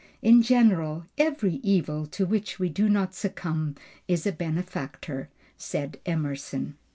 "In general, every evil to which we do not succumb is a benefactor," said Emerson.